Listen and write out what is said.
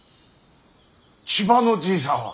千葉のじいさんは。